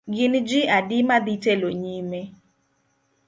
Gin ji adi madhi telo nyime?